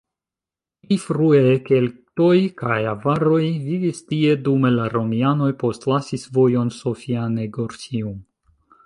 Pli frue keltoj kaj avaroj vivis tie, dume la romianoj postlasis vojon Sophiane-Gorsium.